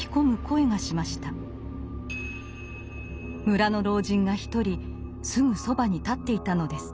村の老人が一人すぐそばに立っていたのです。